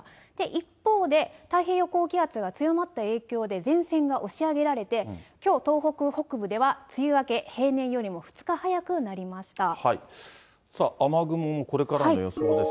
一方で、太平洋高気圧が強まった影響で前線が押し上げられて、きょう、東北北部では梅雨明け、さあ、雨雲のこれからの予想ですが。